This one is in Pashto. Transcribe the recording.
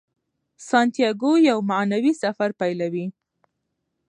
سانتیاګو یو معنوي سفر پیلوي.